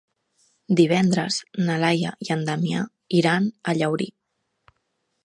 Divendres na Laia i en Damià iran a Llaurí.